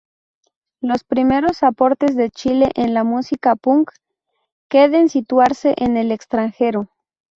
Los primeros aportes de Chile en la música punk pueden situarse en el extranjero.